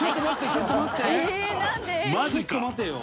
「ちょっと待てよ」